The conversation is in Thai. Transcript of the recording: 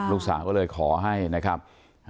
ลูกสาวก็เลยขอให้นะครับ